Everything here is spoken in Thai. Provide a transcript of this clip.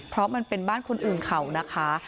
เพราะมันเป็นบ้านคนอื่นเขานะคะ